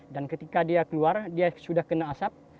dan ketika dia keluar dia sudah kena asap